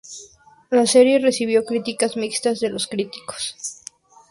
La serie recibió críticas mixtas de los críticos.